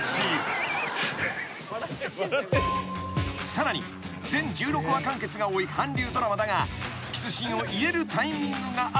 ［さらに全１６話完結が多い韓流ドラマだがキスシーンを入れるタイミングがあるそうで］